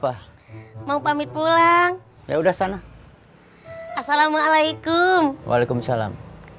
bisa jadi siapa mau pamit pulang ya udah sana assalamualaikum waalaikumsalam